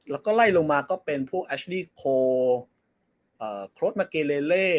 แล้วก็ไล่ลงมาก็เป็นพวกแอชดี้โคโค้ดมาเกเลเล่